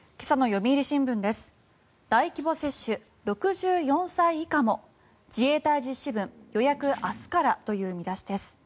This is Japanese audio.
大規模接種６４歳以下も自衛隊実施分、予約明日からという見出しです。